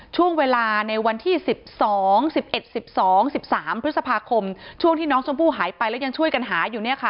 ช่วงเวลาในวันที่๑๒๑๑๑๒๑๓พฤษภาคมช่วงที่น้องชมพู่หายไปแล้วยังช่วยกันหาอยู่เนี่ยค่ะ